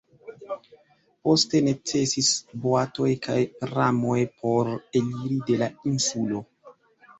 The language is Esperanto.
Poste necesis boatoj kaj pramoj por eliri de la insulo.